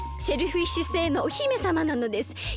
シェルフィッシュ星のお姫さまなのです！